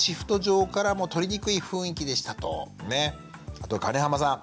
あと金濱さん。